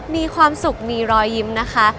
มีความสุขมีรอยยิ้มนะคะ